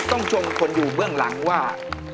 ต้องชมคนอยู่เบื้องหลังว่า